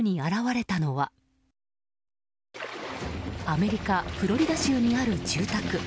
アメリカ・フロリダ州にある住宅。